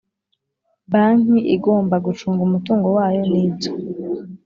Banki igomba gucunga umutungo wayo n ibyo